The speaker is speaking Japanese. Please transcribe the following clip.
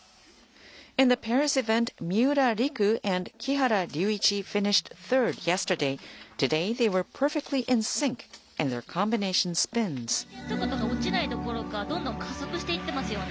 回転速度が落ちないどころか、どんどん加速していってますよね。